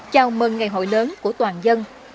chào mừng ngày hội lớn của toàn dân